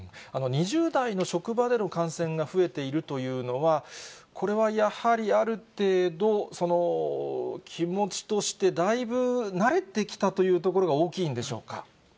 ２０代の職場での感染が増えているというのは、これはやはりある程度、気持ちとして、だいぶ慣れてきたというところが大きいんでしょうか。